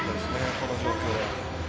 この状況。